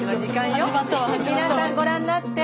皆さんご覧になって。